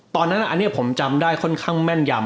ตอนนั้นอันนี้ผมจำได้ค่อนข้างแม่นยำ